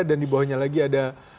dan di bawahnya lagi ada